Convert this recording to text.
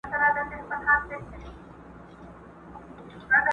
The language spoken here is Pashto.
څوک چي حق وايي په دار دي څوک له ښاره وزي غلي!!